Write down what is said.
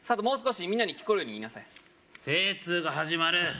もう少しみんなに聞こえるように言いなさい精通が始まる！